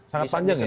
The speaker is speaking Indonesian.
sangat panjang ya